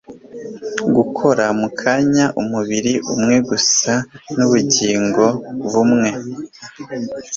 Gukora mu kanya umubiri umwe gusa nubugingo bumwe